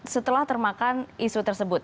setelah termakan isu tersebut